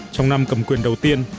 trong năm cầm quyền đầu tiên